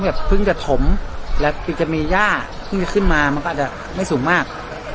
เพื่อเพิ่งจะถมและมีจะมีหญ้าเพิ่งจะขึ้นมามันก็อาจจะไม่สูงมาก